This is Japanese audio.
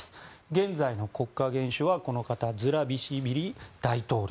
現在の国家元首はズラビシビリ大統領。